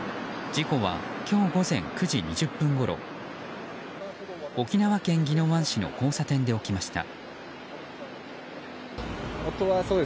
事故は今日午前９時２０分ごろ沖縄県宜野湾市の交差点で起きました。